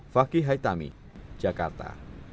fakih haitami jakarta